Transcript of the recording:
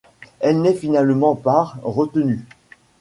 Elle n'est finalement par retenu.